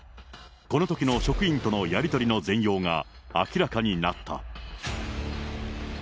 このときの職員とのやり取りの全容が、明らかになった。